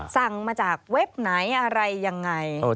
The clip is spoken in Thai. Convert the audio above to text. สั่งมาจากเว็บไหนอะไรยังไง